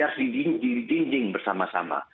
harus didinjing bersama sama